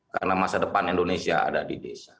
karena masa depan indonesia ada di desa